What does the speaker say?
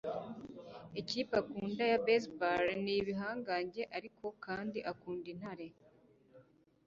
ikipe akunda ya baseball ni ibihangange, ariko kandi akunda intare